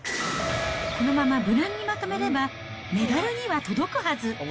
このまま無難にまとめればメダルには届くはず。